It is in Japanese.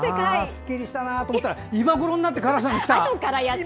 すっきりしたなと思ったら今頃になって辛さが来た！